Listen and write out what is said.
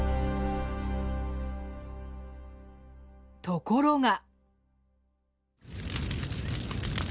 ところが。